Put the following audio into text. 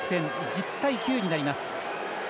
１０対９になります。